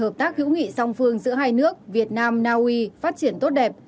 hợp tác hữu nghị song phương giữa hai nước việt nam naui phát triển tốt đẹp